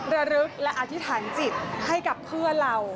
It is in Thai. ระลึกและอธิษฐานจิตให้กับเพื่อนเรา